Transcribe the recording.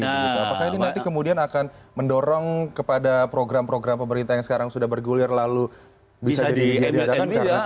apakah ini nanti kemudian akan mendorong kepada program program pemerintah yang sekarang sudah bergulir lalu bisa diadakan